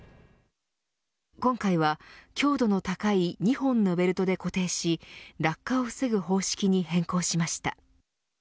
今回は強度の高い２本のベルトで固定し落下を防ぐ方式に変更しました。